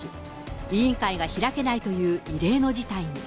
委員会が開けないという異例の事態に。